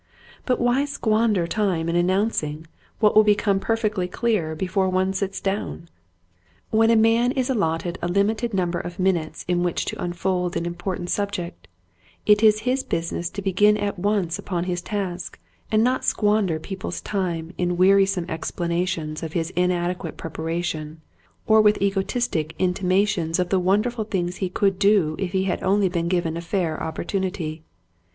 But why squander time in announcing what will become perfectly Foolishness. 151 clear before one sits down ? When a man is allotted a limited number of minutes in which to unfold an important subject, it is his business to begin at once upon his task and not squander people's time in weari some explanations of his inadequate prep aration or with egotistic intimations of the wonderful things he could do if he had only been given a fair opportunity.